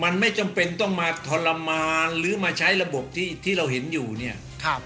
มันไม่จำเป็นต้องมาทรมานหรือมาใช้ระบบที่ที่เราเห็นอยู่เนี่ยครับ